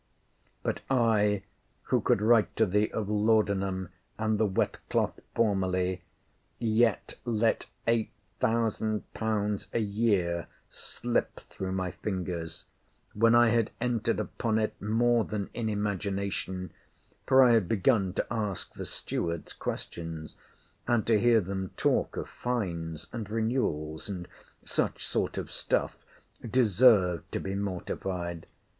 But I, who could write to thee of laudanum, and the wet cloth, formerly, yet let 8000£. a year slip through my fingers, when I had entered upon it more than in imagination, [for I had begun to ask the stewards questions, and to hear them talk of fines and renewals, and such sort of stuff,] deserve to be mortified.